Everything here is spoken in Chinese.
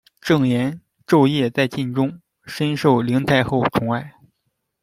郑俨昼夜在禁中，深受灵太后宠爱。